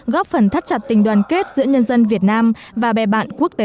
góp phần thắt chặt tình đoàn kết giữa nhân dân việt nam và bè bạn quốc tế